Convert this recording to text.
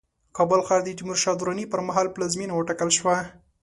کابل ښار د تیمورشاه دراني پرمهال پلازمينه وټاکل شوه